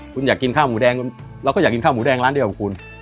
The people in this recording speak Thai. คุณอยากกินข้าวหมูแดงเราก็อยากกินข้าวหมูแดงร้านเดียวกับคุณ